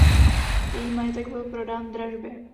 Její majetek byl prodán v dražbě.